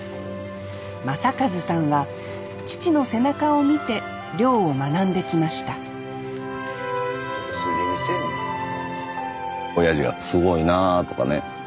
将和さんは父の背中を見て漁を学んできました親父がすごいなあとかね